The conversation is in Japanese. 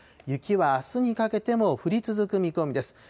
雪はあすにかけても降り続く見込みです。